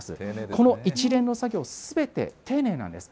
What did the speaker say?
この一連の作業、すべて、丁寧なんです。